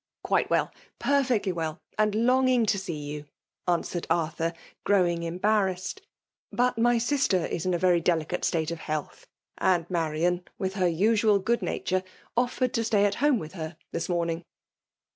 '* "Quite well, — perfectly well, — ^and longing to see you," answered Af tliur, growing em barrassed.— " But my sister is in a very deli cate state of health, and Marian, with h^ usual 'good nature, offered to stay at home with h^r Ifiisirioming."